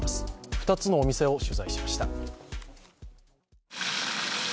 ２つのお店を取材しました。